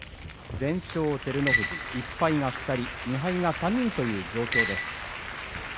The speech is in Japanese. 全勝照ノ富士、１敗が２人２敗が３人という状況です。